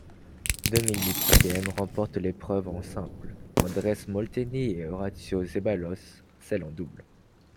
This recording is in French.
Dominic Thiem remporte l'épreuve en simple, Andrés Molteni et Horacio Zeballos celle en double.